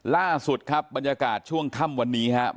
ล่าสุดครับบรรยากาศช่วงค่ำวันนี้ครับ